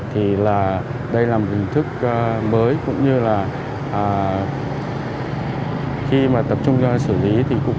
thì đây là một hình thức mới cũng như là khi mà tập trung cho xử lý